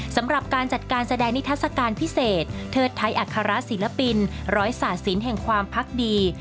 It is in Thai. สำหรับการจัดการแสดงนิทัศกาลพิเศษเทิดไทยอัครศิลปินร้อยศาสินแห่งความพักดี